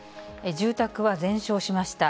住宅は全焼しました。